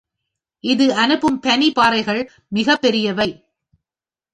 இது அனுப்பும் பனிப் பாறைகள் மிகப் பெரியவை.